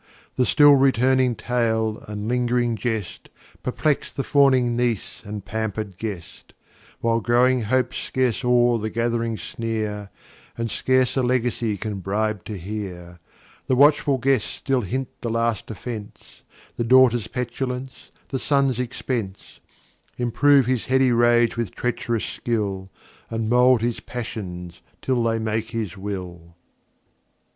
The still returning Tale, and ling'ring Jest, Perplex the fawning Niece and pamper'd Guest, While growing Hopes scarce awe the gath'ring Sneer, And scarce a Legacy can bribe to hear; The watchful Guests still hint the last Offence, The Daughter's Petulance, the Son's Expence, Improve his heady Rage with treach'rous Skill, And mould his Passions till they make his Will. [Footnote l: Ver. 188. 288.